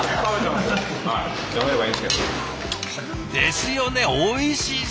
ですよねおいしそう！